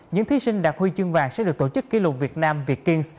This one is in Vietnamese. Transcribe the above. những thí sinh đạt huy chương vàng sẽ được tổ chức kỷ lục việt nam việt kings